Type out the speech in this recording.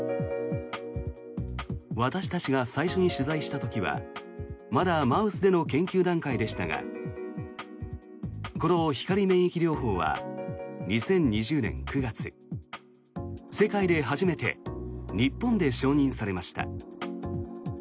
私たちが最初に取材した時はまだマウスでの研究段階でしたがこの光免疫療法は２０２０年９月世界で初めて日本で承認されました。